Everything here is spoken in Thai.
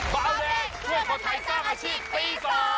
บ๊าวแดงเพื่อคนไทยสร้างอาชีพปี๒